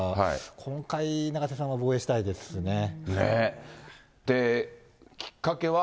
今回、永瀬さんは防衛したいですで、きっかけは。